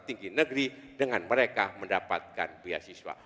tinggi negeri dengan mereka mendapatkan biaya siswa